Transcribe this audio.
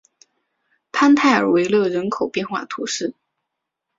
潘泰尔维勒人口变化图示